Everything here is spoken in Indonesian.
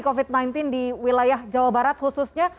covid sembilan belas di wilayah jawa barat khususnya